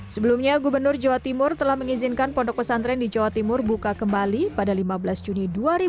sebelumnya gubernur jawa timur telah mengizinkan pondok pesantren di jawa timur buka kembali pada lima belas juni dua ribu dua puluh